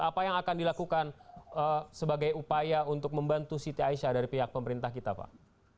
apa yang akan dilakukan sebagai upaya untuk membantu siti aisyah dari pihak pemerintah kita pak